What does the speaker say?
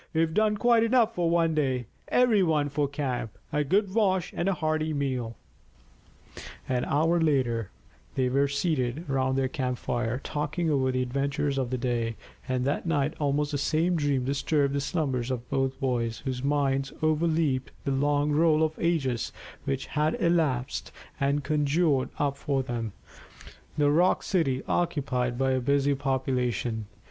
We've done quite enough for one day. Every one for camp, a good wash, and a hearty meal." An hour later they were seated round their camp fire, talking over the adventures of the day, and that night almost the same dream disturbed the slumbers of both boys, whose minds overleaped the long roll of ages which had elapsed, and conjured up for them the rock city occupied by a busy population.